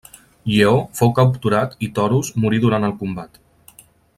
Lleó fou capturat i Toros morí durant el combat.